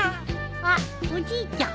あっおじいちゃん。